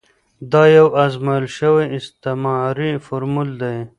دا یو ازمویل شوی استعماري فورمول دی.